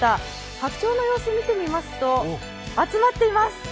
白鳥の様子を見てみますと、集まっています。